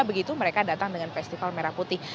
begitu mereka datang dengan festival merah putih